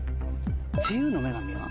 自由の女神は？